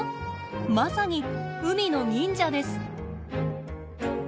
まさに海の忍者です。